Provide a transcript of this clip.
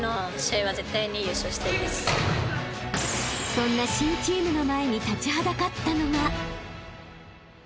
［そんな新チームの前に立ちはだかったのが］